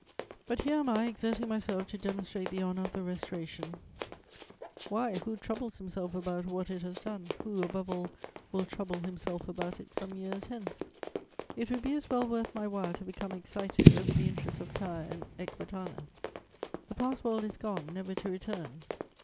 But here am I exerting myself to demonstrate the honour of the Restoration: why, who troubles himself about what it has done, who, above all, will trouble himself about it some years hence? It would be as well worth my while to become excited over the interests of Tyre and Ecbatana: that past world is gone, never to return.